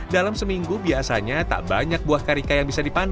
dalam seminggu biasanya tak banyak buah karika yang bisa dipanen